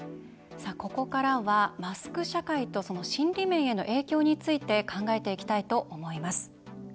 ここからは、マスク社会とその心理面への影響について考えていきたいと思います。